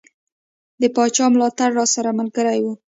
د پاچا ملاتړ راسره ملګری وو.